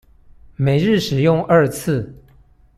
每日使用二次